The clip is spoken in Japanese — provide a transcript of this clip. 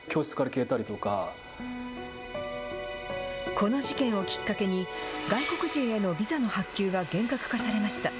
この事件をきっかけに、外国人へのビザの発給が厳格化されました。